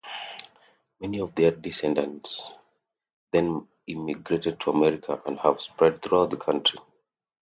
Many of their descendants then emigrated to America and have spread throughout the country.